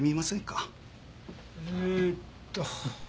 えーっと。